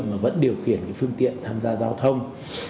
mà vẫn điều khiển phương tiện tham gia giao thông